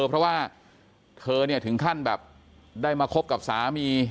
เพราะว่าเธอเนี่ยถึงขั้นแบบได้มาคบกับสามี